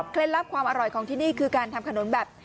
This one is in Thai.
ลับความอร่อยของที่นี่คือการทำขนมแบบ